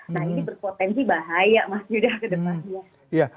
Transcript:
nah ini berpotensi bahaya mas yuda kedepannya